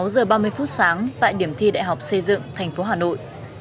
sáu giờ ba mươi phút sáng tại điểm thi đại học xây dựng thành phố hà nội